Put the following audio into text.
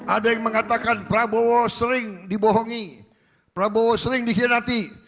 ada yang mengatakan prabowo sering dibohongi prabowo sering dikhianati